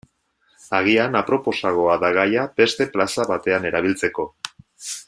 Agian aproposagoa da gaia beste plaza batean erabiltzeko.